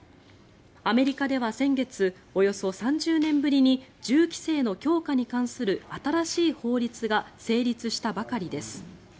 アメリカでは先月およそ３０年ぶりに銃規制の強化に関する新しい法律が成立したばかりです。